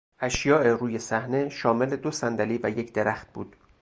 اشیا روی صحنه شامل دو صندلی و یک درخت بود.